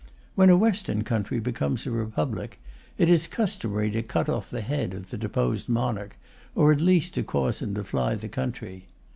When a Western country becomes a Republic, it is customary to cut off the head of the deposed monarch, or at least to cause him to fly the country.